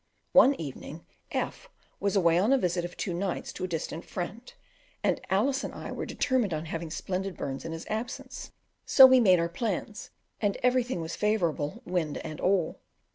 One evening F was away on a visit of two nights to a distant friend, and Alice and I determined on having splendid burns in his absence; so we made our plans, and everything was favourable, wind and all.